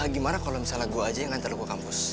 gimana kalau misalnya gue aja yang ngantar ke kampus